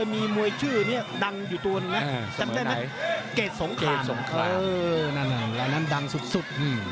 และนั้นดังสุด